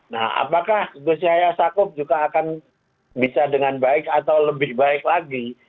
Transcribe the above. nah apakah gus yahya sakup juga akan bisa dengan baik atau lebih baik lagi